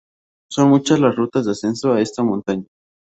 Son muchas las rutas de ascenso a esta montaña.